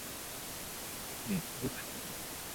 নে, দুধ খাওয়া।